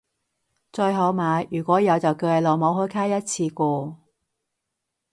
最好買如果有就叫你老母開卡一次過